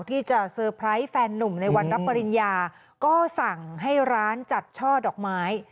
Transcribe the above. ที่จะเซอร์ไพรส์แฟนนุ่มในวันรับปริญญาก็สั่งให้ร้านจัดช่อดอกไม้